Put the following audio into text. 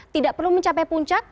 tidak perlu mencapai puncak